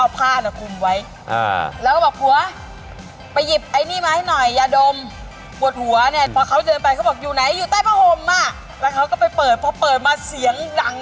ไปไว้ในที่นอน